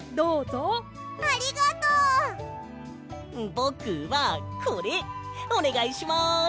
ぼくはこれおねがいします。